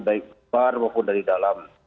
baik bar maupun dari dalam